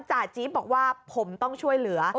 จี๊บบอกว่าผมต้องช่วยเหลือ